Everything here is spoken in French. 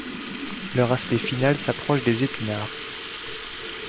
Leur aspect final s'approche des épinards.